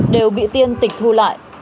đều bị tiên tịch thu lại